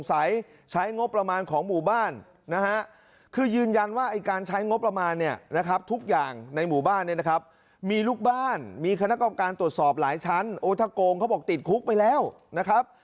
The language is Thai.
การตรวจสอบหลายชั้นโอธโกงเขาบอกติดคุกไปแล้วนะครับ